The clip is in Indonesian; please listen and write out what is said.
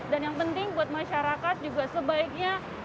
dan yang penting buat masyarakat juga sebaiknya